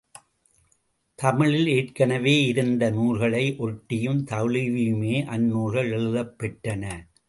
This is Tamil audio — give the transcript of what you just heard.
தமிழில் ஏற்கனவே இருந்த நூல்களை ஒட்டியும் தழுவியுமே அந்நூல்கள் எழுதப் பெற்றன.